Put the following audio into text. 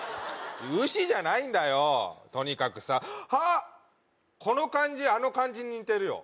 「うし」じゃないんだよとにかくさあっこの感じあの感じに似てるよ